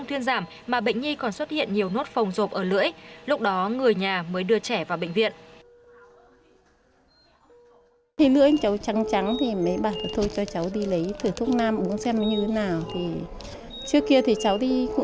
trước kia thì cháu cũng đi lấy rồi có thế nào đâu